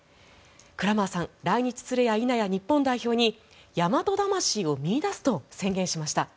クラマーさん来日するや否や、日本代表に大和魂を見いだすと宣言しました。